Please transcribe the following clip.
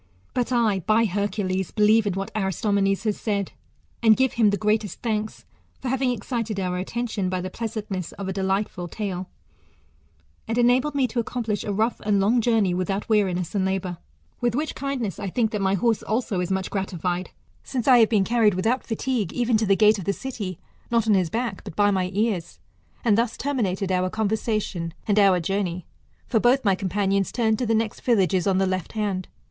But I, by Hercules, believe in whac Aristomenes has said, and give him the greatest thanks, for having excited our attention by the pleasantness of a de lightful tale ; and enabled me to accomplish a rough and' long journey without weariness and labour. With which kindness I think that my horse also is much gratified, since I have been carried without fatigue even to the gate of the city, not on his back, but by my ears. And thus terminated our conversation and our journey ; for both of my companions turned to the next village^ on the left hand.